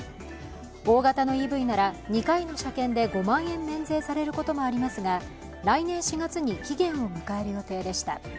大型のＥＶなら２回の車検で５万円免税されることもありますが、来年４月に期限を迎える予定でした